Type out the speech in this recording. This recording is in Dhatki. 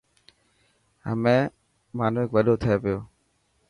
همي حانوڪ وڏو ٿي پيو.